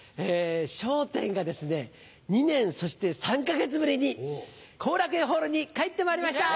『笑点』がですね２年そして３か月ぶりに後楽園ホールに帰ってまいりました！